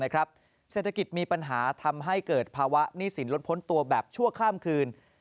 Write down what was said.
เศรษฐกิจมีปัญหาทำให้เกิดภาวะหนี้สินลดพ้นตัวแบบชั่วข้ามคืน